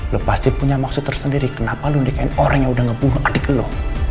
lu pasti punya maksud tersendiri kenapa lu nikahin orang yang udah ngebunuh adik lu